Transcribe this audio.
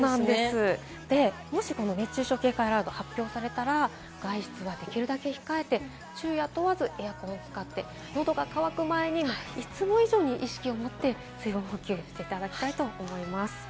もしこの熱中症警戒アラートを発表されたら、外出はできるだけ控えて昼夜問わず、エアコンを使って、喉が渇く前にいつも以上に意識をもって水分補給していただきたいと思います。